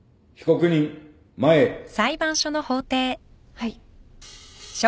はい。